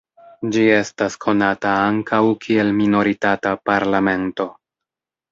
Ĝi estas konata ankaŭ kiel minoritata parlamento.